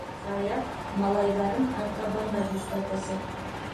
Саяф малайҙарын артабан да һөсләтәсәк.